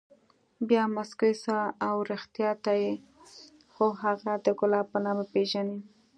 بيا موسكى سو اوه رښتيا ته خو هغه د ګلاب په نامه پېژنې.